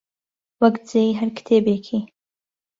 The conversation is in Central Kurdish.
وەک جێی هەر کتێبێکی